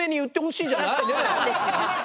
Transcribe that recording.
そうなんですよ！